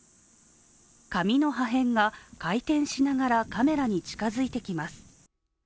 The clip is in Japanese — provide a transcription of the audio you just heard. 紙の破片が回転しながらカメラに近づいてきます。